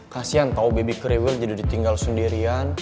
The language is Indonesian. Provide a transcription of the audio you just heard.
kasian tau baby krewil jadi ditinggal sendirian